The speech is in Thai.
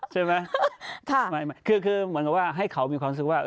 ใช่ไหมคือคือเหมือนกับว่าให้เขามีความรู้สึกว่า